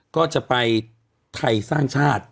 ก็จะไปไทยสร้างชาติ